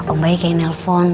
om baik yang nelfon